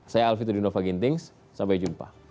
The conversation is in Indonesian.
saya alvid rudinova gintings sampai jumpa